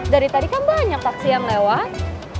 dari tadi kan banyak taksi yang lewat